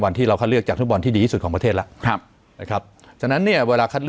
ไว้อยู่ที่โค้ชที่จะใส่วิธีการ